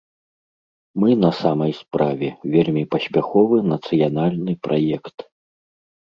Мы на самай справе вельмі паспяховы нацыянальны праект.